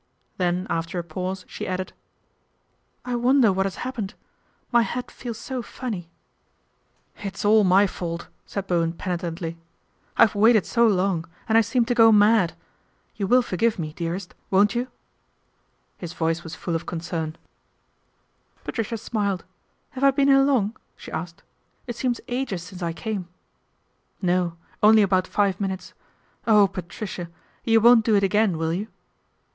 Then after a pause she added, " I wonder what has happened. My head feels so funny." " It's all my fault," said Bowen penitently. " I've waited so long, and I seemed to go mad. You will forgive me, dearest, won't you ?" his voice was full of concern. 304 PATRICIA BRENT, SPINSTER Patricia smiled. " Have I been here long ?" she asked. " It seems ages since I came." " No ; only about five minutes. Oh, Patricia ! you won't do it again, will you